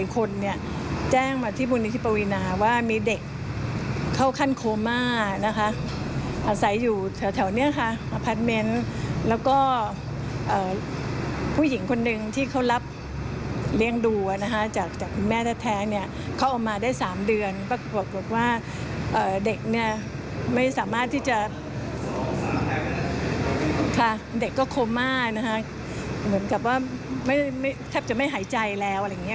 ค่ะเด็กก็โคมมากนะครับเหมือนกับว่าแทบจะไม่หายใจแล้วอะไรอย่างนี้